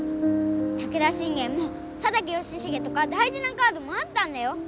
武田信玄も佐竹義重とかだいじなカードもあったんだよ！